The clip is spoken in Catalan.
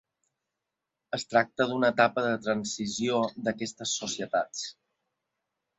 Es tracta d'una etapa de transició d'aquestes societats.